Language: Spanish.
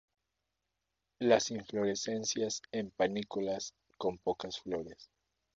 Las inflorescencias en panículas con pocas flores.